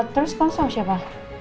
terus konsol siapa